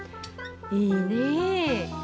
いいねえ。